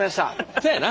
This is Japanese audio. せやな。